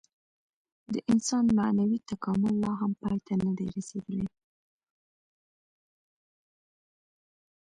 د انسان معنوي تکامل لا هم پای ته نهدی رسېدلی.